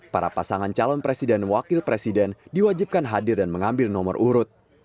para pasangan calon presiden dan wakil presiden diwajibkan hadir dan mengambil nomor urut